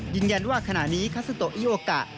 ยืนยันว่าขณะนี้คาซิโตอิโอกะ